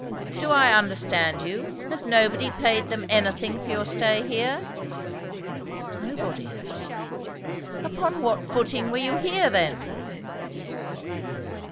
"Do I understand you? Has nobody paid them anything for your stay here?" "Nobody." "Upon what footing were you here, then?"